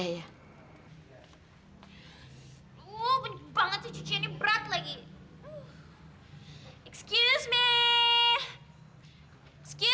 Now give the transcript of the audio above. woh banyak banget sih cucian ini